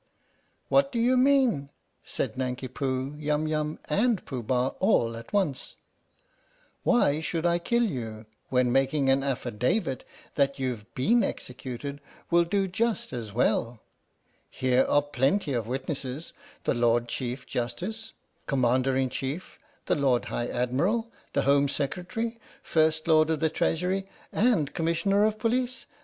"What do 'you mean?" said Nanki Poo, Yum Yum, and Pooh Bah all at once. " Why should I kill you when making an affidavit that you've been executed will do just as well? Here are plenty of witnesses the Lord Chief Justice, Commander in Chief, the Lord High Admiral, the Home Secretary, First Lord of the Treasury, and Commissioner of Police.